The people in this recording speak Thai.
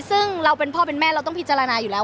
ซึ่งเราเป็นพ่อเป็นแม่เราต้องพิจารณาอยู่แล้ว